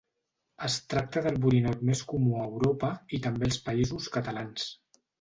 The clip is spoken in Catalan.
Es tracta del borinot més comú a Europa i també als Països Catalans.